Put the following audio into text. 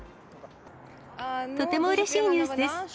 とてもうれしいニュースです。